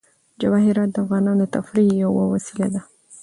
جواهرات د افغانانو د تفریح یوه وسیله ده.